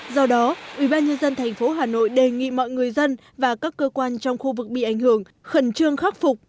do đó ubnd tp hà nội đề nghị mọi người dân và các cơ quan trong khu vực bị ảnh hưởng khẩn trương khắc phục